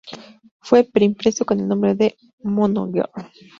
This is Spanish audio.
Fue pre impreso con el nombre de "Monogr.